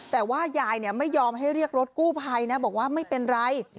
แต่ว่ายายไม่ยอมให้เรียกรถกู้ภัยนะบอกว่าไม่เป็นไร